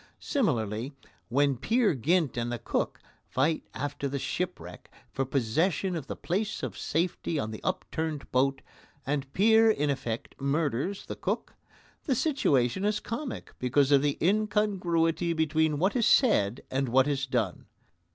Similarly, when Peer Gynt and the Cook fight after the shipwreck for possession of the place of safety on the upturned boat, and Peer in effect murders the Cook, the situation is comic because of the incongruity between what is said and what is done.